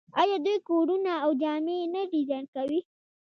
آیا دوی کورونه او جامې نه ډیزاین کوي؟